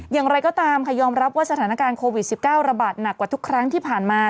อย่างไรก็ตามค่ะยอมรับว่าสถานการณ์โควิด๑๙ระบาดหนักกว่าทุกครั้งที่ผ่านมา